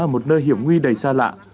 một nơi hiểm nguy đầy xa lạ